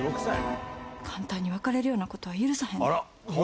簡単に別れるようなことは許せへんで。